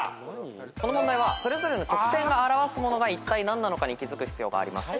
この問題はそれぞれの直線が表すものがいったい何なのかに気付く必要があります。